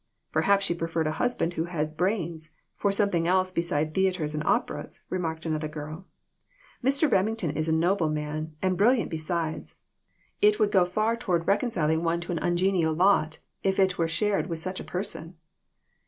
" Perhaps she preferred i husband who had brains for some thing else beside theatres and operas," remarked another girl. " Mr. Remington is a noble man, and brilliant besides. It would go far toward rec THIS WORLD, AND THE OTHER ONE. 22Q onciling one to an uncongenial lot if it were shared with such a person."